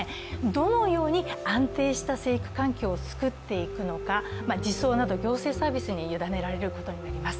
どのように安定した成育環境を作っていくのか、行政サービスに委ねられることになります。